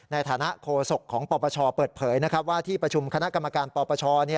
ในฐานะโคศกของปปชเปิดเผยว่าที่ประชุมคณะกรรมการปปช